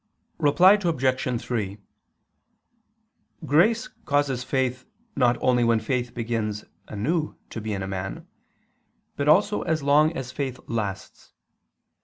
Reply Obj. 3: Grace causes faith not only when faith begins anew to be in a man, but also as long as faith lasts.